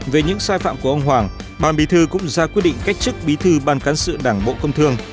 về những sai phạm của ông hoàng ban bí thư cũng ra quyết định cách chức bí thư ban cán sự đảng bộ công thương